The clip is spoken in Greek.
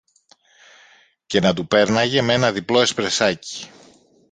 και να του πέρναγε με ένα διπλό εσπρεσάκι